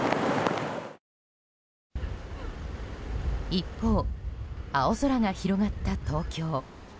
一方、青空が広がった東京。